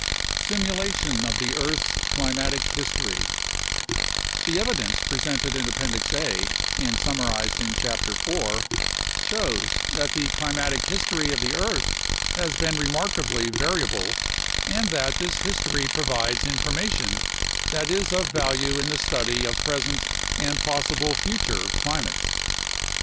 Simulation of the Earth's Climatic History The evidence presented in Appendix A (and summarized in Chapter 4) shows that the climatic history of the earth has been remarkably variable and that this history provides information that is of value in the study of present and possible future climates.